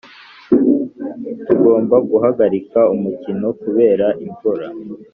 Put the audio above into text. tugomba guhagarika umukino kubera imvura.